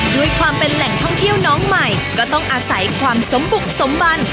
ด้วยความเป็นแหล่งท่องเที่ยวน้องใหม่ก็ต้องอาศัยความสมบุกสมบัน